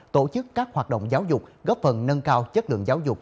tổ chức các hoạt động giáo dục góp phần nâng cao chất lượng giáo dục